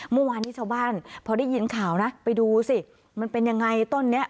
เมื่อวานนี้ชาวบ้านพอได้ยินข่าวนะไปดูสิมันเป็นยังไงต้นนี้